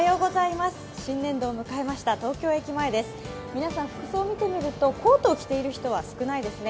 皆さん服装見てみるとコートを着ている人は少ないですね。